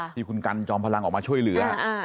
ที่คุณกันจอมพลังออกมาช่วยเหลือ